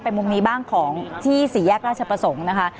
มุมนี้บ้างของที่สี่แยกราชประสงค์นะคะ